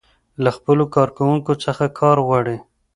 له خپلو کارکوونکو څخه کار غواړي.